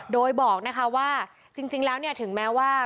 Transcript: โดยบอกนะคะว่าจริงแล้วถึงแม้ว่า